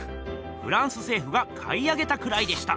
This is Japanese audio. フランス政府が買い上げたくらいでした。